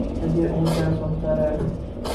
مجھے اونچا سنتا ہے